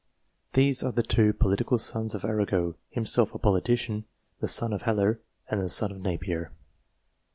These are the two political sons of Arago (himself a politician), the son of Haller, and the son of Napier.